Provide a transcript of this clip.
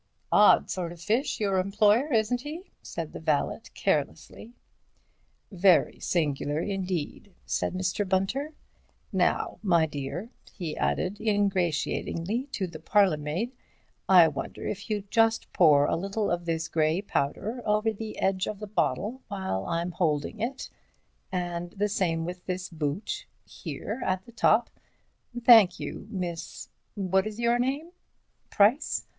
"Odd sort of fish, your employer, isn't he?" said the valet, carelessly. "Very singular, indeed," said Mr. Bunter. "Now, my dear," he added, ingratiatingly, to the parlourmaid, "I wonder if you'd just pour a little of this grey powder over the edge of the bottle while I'm holding it—and the same with this boot—here, at the top—thank you, Miss—what is your name? Price?